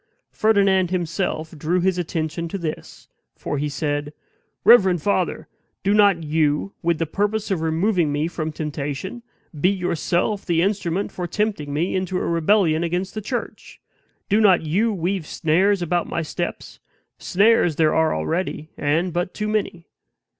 Ferdinand himself drew his attention to THIS; for he said: "Reverend father! do not you, with the purpose of removing me from temptation, be yourself the instrument for tempting me into a rebellion against the church. Do not you weave snares about my steps; snares there are already, and but too many."